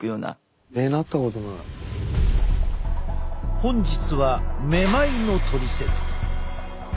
本日は「めまい」のトリセツ。